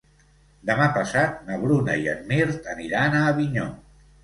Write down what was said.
Demà passat na Bruna i en Mirt aniran a Avinyó.